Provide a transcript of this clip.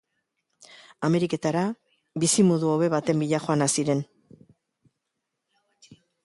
Ameriketara, bizimodu hobe baten bila joanak ziren.